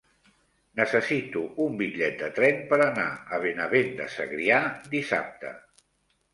Necessito un bitllet de tren per anar a Benavent de Segrià dissabte.